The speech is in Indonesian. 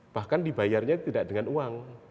bahkan dibayarnya tidak dengan uang